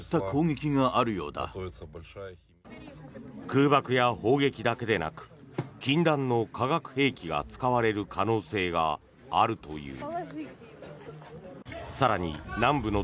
空爆や砲撃だけでなく禁断の化学兵器が使われる可能性があるという。